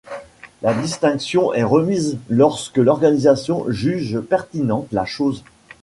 La distinction est remise lorsque l’organisation juge pertinente la chose.